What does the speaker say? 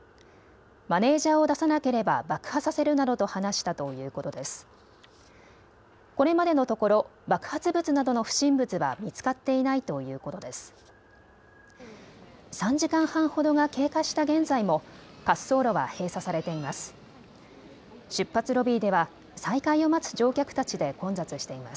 マネージャーを出さなければ爆破させるなどと話したということです。